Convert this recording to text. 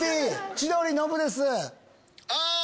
「千鳥」ノブです。